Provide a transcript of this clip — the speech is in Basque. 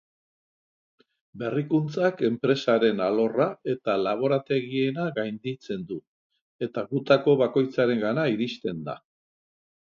Berrikuntzak enpresaren alorra eta laborategiena gainditzen du eta gutako bakoitzarengana iristen da.